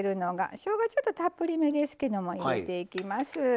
しょうが、ちょっとたっぷりめですけど入れていきます。